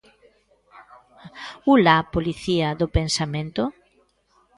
¿U-la policía do pensamento?